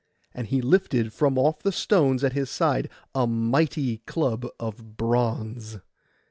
And he lifted from off the stones at his side a mighty club of bronze.